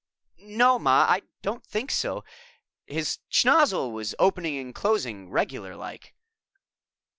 _" "No, Ma, I don't think so. His schnozzle was opening and closing regular like."